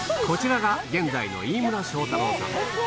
こちらが現在の飯村翔太朗さん